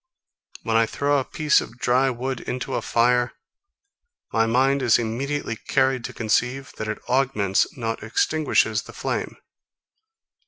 When I throw a piece of dry wood into a fire, my mind is immediately carried to conceive, that it augments, not extinguishes the flame.